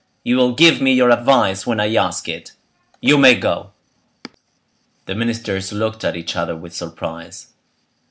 You will give me your advice when I ask it. You may go." The ministers looked at each other with surprise.